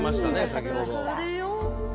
先ほど。